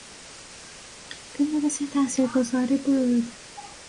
فیلم بسیار تاثرانگیزی بود.